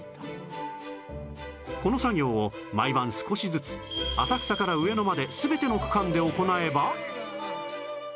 この作業を毎晩少しずつ浅草から上野まで全ての区間で行えば